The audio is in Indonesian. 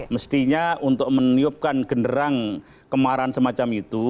mestinya untuk meniupkan genderang kemarahan semacam itu